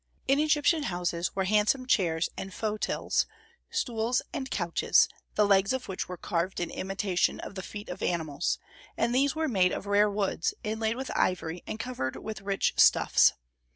In Egyptian houses were handsome chairs and fauteuils, stools and couches, the legs of which were carved in imitation of the feet of animals; and these were made of rare woods, inlaid with ivory, and covered with rich stuffs.